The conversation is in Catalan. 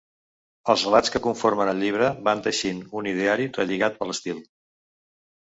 Els relats que conformen el llibre van teixint un ideari relligat per l’estil.